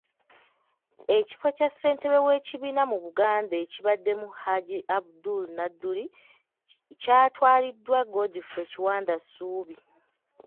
Ekifo kya Ssentebbe w’ekibiina mu Buganda ekibaddemu Hajji Abdul Nadduli, kyatwaliddwa Godfrey Kiwanda Ssuubi.